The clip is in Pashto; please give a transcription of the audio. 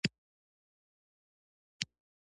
د یو کمربند یوه لار پروژه د چین نوی نوښت دی.